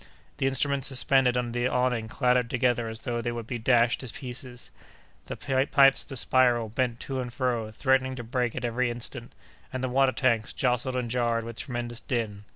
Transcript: The instruments suspended under the awning clattered together as though they would be dashed to pieces; the pipes of the spiral bent to and fro, threatening to break at every instant; and the water tanks jostled and jarred with tremendous din.